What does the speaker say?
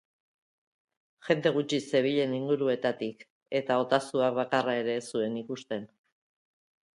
Jende gutxi zebilen inguruetatik, eta Otazuak bakarra ere ez zuen ikusten.